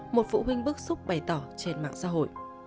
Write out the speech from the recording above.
một phụ huynh bức xúc bày tỏ trên mạng sách này